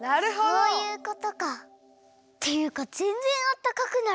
そういうことか！っていうかぜんぜんあったかくならない！